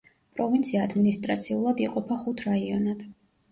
პროვინცია ადმინისტრაციულად იყოფა ხუთ რაიონად.